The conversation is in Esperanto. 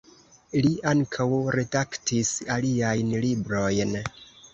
Li ankaŭ redaktis aliajn librojn.